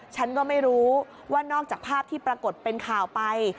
ฉันก็ไม่รู้ว่านอกจากภาพที่ปรากฏเป็นข่าวไป